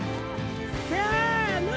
せの！